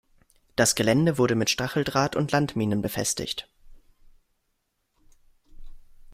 Das Gelände wurde mit Stacheldraht und Landminen befestigt.